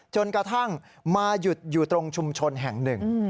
จนกระทั่งมาหยุดอยู่ตรงชุมชนแห่งหนึ่ง